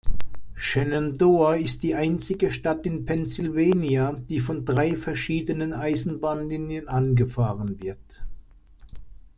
Shenandoah ist die einzige Stadt in Pennsylvania, die von drei verschiedenen Eisenbahnlinien angefahren wird.